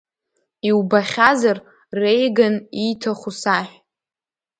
Иубахьазар, Реиган ииҭаху саҳә!